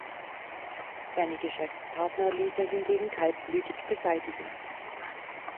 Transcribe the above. Seine Geschäftspartner ließ er hingegen kaltblütig beseitigen.